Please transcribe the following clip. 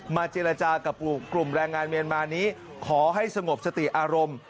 เจรจากับกลุ่มแรงงานเมียนมานี้ขอให้สงบสติอารมณ์